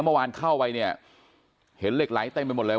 เมื่อวานเข้าไปเนี่ยเห็นเหล็กไหลเต็มไปหมดเลย